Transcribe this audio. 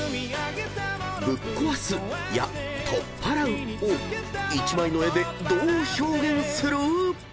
［ぶっ壊すや取っ払うを１枚の絵でどう表現する？］